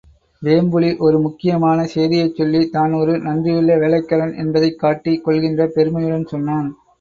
வேம்புலி ஒரு முக்கியமான சேதியைச் சொல்லி, தான் ஒரு நன்றியுள்ள வேலைக்காரன் என்பதைக் காட்டிக் கொள்கின்ற பெருமையுடன் சொன்னான்.